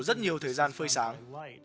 rất nhiều thời gian phơi sáng